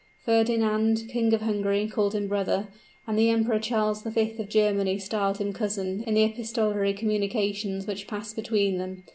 Ferdinand, King of Hungary, called him "brother," and the Emperor Charles the Fifth of Germany styled him "cousin" in the epistolary communications which passed between them.